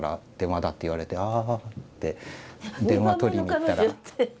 「あ」って電話取りに行ったら。